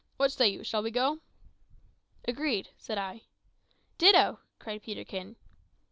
What say you? Shall we go?" "Agreed," said I. "Ditto," cried Peterkin.